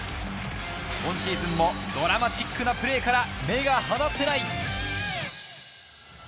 今シーズンもドラマチックなプレーから目が離せない。